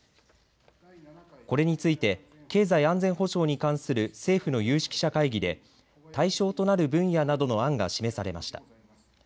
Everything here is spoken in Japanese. これについて経済安全保障に関する政府の有識者会議で対象となる分野などの案が示されました。